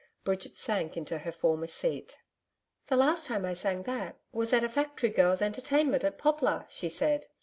Bridget sank into her former seat. 'The last time I sang that was at a Factory Girls' entertainment at Poplar,' she said...